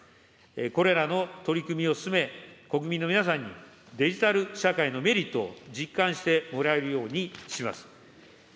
これらの取り組みを進め、国民の皆さんに、デジタル社会のメリットを実感してもらえるようにします。